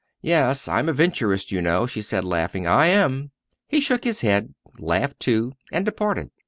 "Yet I'm a Venturist, you know," she said, laughing; "I am." He shook his head, laughed too, and departed.